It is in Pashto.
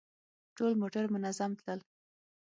ټول موټر منظم تلل.